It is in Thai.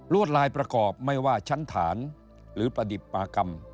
วดลายประกอบไม่ว่าชั้นฐานหรือประดิษฐ์ปากรรม